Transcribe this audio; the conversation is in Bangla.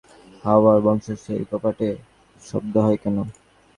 হাওয়ার কোনো বংশও নেই-কপাটে শব্দ হয় কেন?